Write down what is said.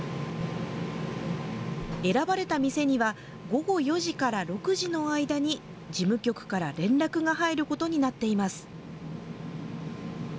選ばれた店には、午後４時から６時の間に事務局から連絡が入ることになっています。